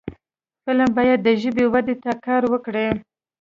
فلم باید د ژبې وده ته کار وکړي